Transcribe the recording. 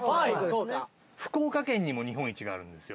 福岡県にも日本一があるんですよ。